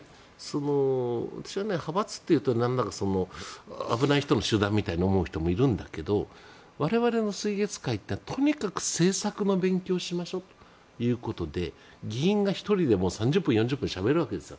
私は派閥というと危ない人の集団みたいに思う人もいるんだけど我々の水月会ってとにかく政策の勉強をしましょうということで議員が１人でも３０分、４０分しゃべるわけですよ。